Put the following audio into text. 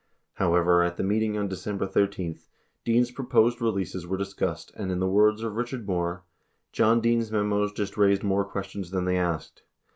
However, at the meeting on December 13, Dean's proposed releases were discussed, and in the words of Richard Moore, "John Dean's memos just raised more questions than they asked.